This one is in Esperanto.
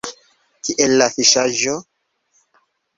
Kiel la fiŝaĵo?